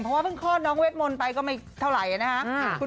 เพราะว่าเพิ่งพ่อน้องเวทมนต์ไปก็ไม่เท่าไหร่